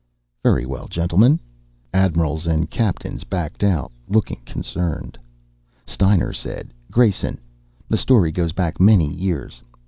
"Very well, gentlemen." Admirals and captains backed out, looking concerned. Steiner said: "Grayson, the story goes back many years.